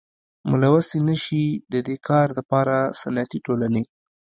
ملوثي نشي ددي کار دپاره صنعتي ټولني.